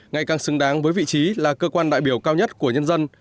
ngày càng xứng đáng với vị trí là cơ quan đại biểu cao nhất của nhân dân